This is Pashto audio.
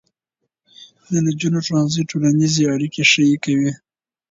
د نجونو ښوونځي ټولنیزې اړیکې ښې کوي.